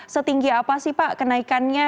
setinggi apa sih pak kenaikannya